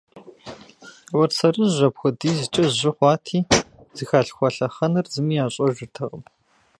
Уэрсэрыжь апхуэдизкӀэ жьы хъуати, зыхалъхуа лъэхъэнэр зыми ищӀэжыртэкъым.